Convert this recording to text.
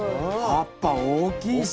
葉っぱ大きいし。